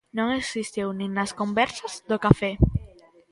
Non existiu nin nas conversas do café.